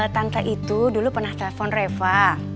tante itu dulu pernah telpon reva